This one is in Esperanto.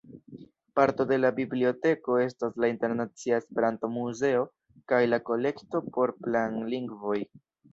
Parto de la biblioteko estas la Internacia Esperanto-Muzeo kaj la Kolekto por Planlingvoj.